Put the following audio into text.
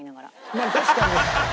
まあ確かに。